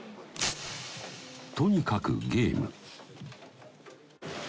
とにかくゲーム。